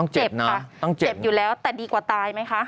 เจ็บค่ะต้องเจ็บอยู่แล้วแต่ดีกว่าตายไหมคะ